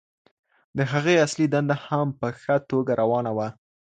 د هغې اصلي دنده هم په ښه توګه روانه وه.